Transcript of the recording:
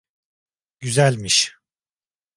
Güzelmiş.